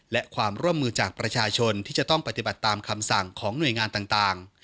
และความร่วมมือจากประชาชนที่จะต้องปฏิบัติตามคำสั่งของหน่วยงานต่าง